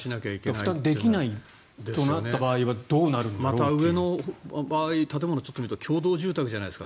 負担できないとなった場合はまた、上のほうは共同住宅じゃないですか。